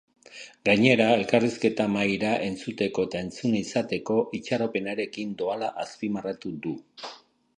Gainera, elkarrizketa mahaira entzuteko eta entzuna izateko itxaropenarekin doala azpimarratu du.